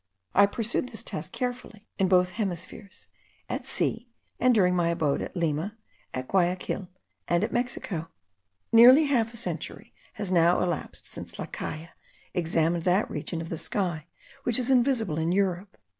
I pursued this task carefully in both hemispheres, at sea, and during my abode at Lima, at Guayaquil, and at Mexico. Nearly half a century has now elapsed since La Caille examined that region of the sky which is invisible in Europe.